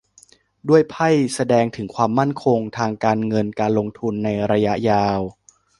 ด้วยไพ่แสดงถึงความมั่นคงทางการเงินการลงทุนในระยะยาว